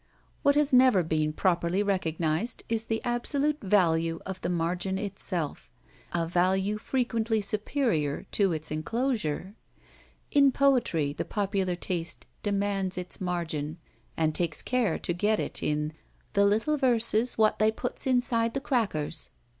What has never been properly recognised is the absolute value of the margin itself—a value frequently superior to its enclosure. In poetry the popular taste demands its margin, and takes care to get it in "the little verses wot they puts inside the crackers."